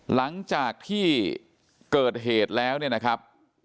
หลังจากที่เกิดเหตุแล้วเนี่ยนะครับ